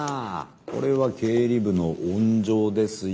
これは経理部の温情ですよ。